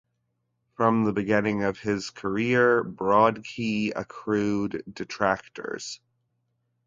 From the beginning of his career, Brodkey accrued detractors.